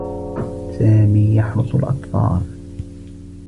سامي يحرس الأطفال.